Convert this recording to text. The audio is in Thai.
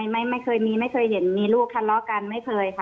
ไม่เคยมีไม่เคยเห็นมีลูกทะเลาะกันไม่เคยค่ะ